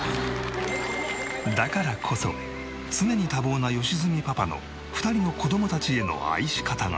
だからこそ常に多忙な良純パパの２人の子どもたちへの愛し方が。